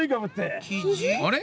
あれ？